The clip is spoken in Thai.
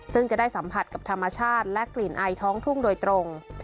ซึ่งจะได้สัมผัสกับธรรมชาติและกลิ่นไอท้องทุ่งโดยตรง